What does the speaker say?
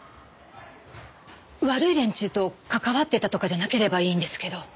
悪い連中と関わってたとかじゃなければいいんですけど。